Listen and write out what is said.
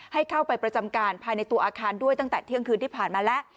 ให้เข้าไปประจำการภายในตัวอาคารด้วยตั้งแต่เที่ยงคืนที่ผ่านมาแล้ว